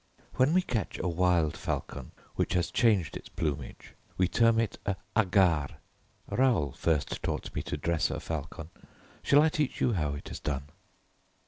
When we catch a wild falcon which has changed its plumage we term it a hagard. Raoul first taught me to dress a falcon. Shall I teach you how it is done?"